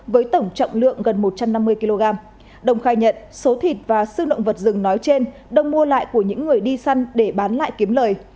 với tổng trọng lượng gần một trăm năm mươi kg đồng khai nhận số thịt và sư động vật rừng nói trên đồng mua lại của những người đi săn để bán lại kiếm lời